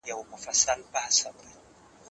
زه به اوږده موده ليک لوستی وم،